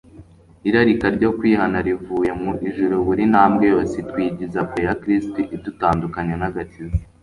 irarika ryo kwihana rivuye mu ijuru. Buri ntambwe yose itwigiza kure ya Kristo idutandukanya n'agakiza,